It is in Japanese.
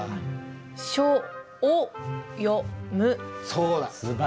そうだ。